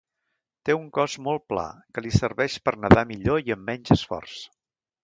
Té un cos molt pla, que li serveix per nedar millor i amb menys esforç.